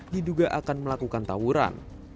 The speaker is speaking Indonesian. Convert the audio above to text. diduga akan melakukan tawuran